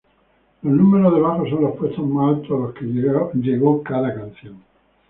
Los números debajo son los puestos más altos a los que llegó cada canción.